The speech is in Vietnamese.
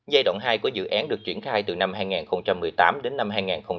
giai đoạn hai của dự án được triển khai từ năm hai nghìn một mươi tám đến năm hai nghìn hai mươi